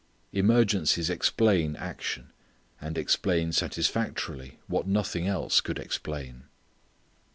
Emergencies explain action, and explain satisfactorily what nothing else could explain.